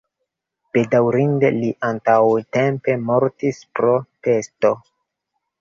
Bedaŭrinde li antaŭtempe mortis pro pesto.